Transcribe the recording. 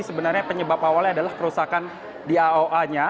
sebenarnya penyebab awalnya adalah kerusakan di aoa nya